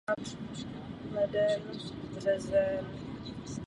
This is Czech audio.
Proto v rámci rozvojové spolupráce probíhají také různé kurzy celoživotního vzdělávání.